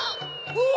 うわ！